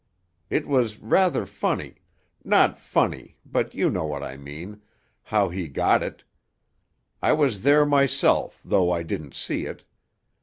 It was rather funny not funny, but you know what I mean how he got it. I was there myself though I didn't see it.